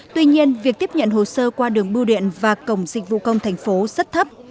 tuy nhiên việc tiếp nhận hồ sơ qua đường bưu điện và cổng dịch vụ công thành phố rất thấp